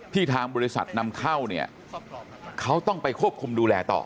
ทางบริษัทนำเข้าเนี่ยเขาต้องไปควบคุมดูแลต่อ